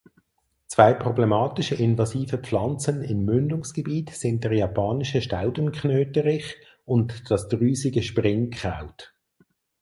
Zwei problematische invasive Pflanzen im Mündungsgebiet sind der Japanische Staudenknöterich und das Drüsige Springkraut.